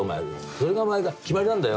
それが決まりなんだよ。